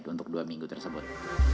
untuk dua minggu tersebut